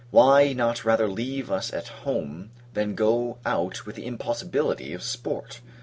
Why not rather leave us at home, than go out with the impossibility of sport?